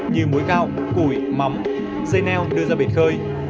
như muối cao củi mắm xây neo đưa ra biển khơi